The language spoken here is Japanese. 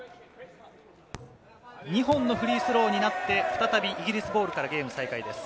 ２本のフリースローになって、再びイギリスボールからゲーム再開です。